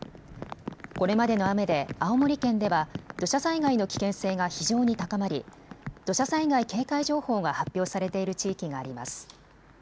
これまでの雨で青森県では土砂災害の危険性が非常に高まり土砂災害警戒情報が発表されている地域があります。